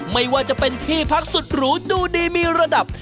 ไม่ว่าจะเป็นที่พักสุดหรูดูดีมีระดับ